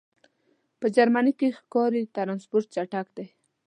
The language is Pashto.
په جرمنی کی ښکاری ټرانسپورټ چټک دی